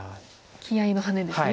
気合いのハネですね。